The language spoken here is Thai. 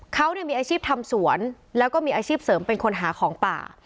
เขามีอาชีพทำสวนแล้วก็มีอาชีพเสริมเป็นคนหาของป่า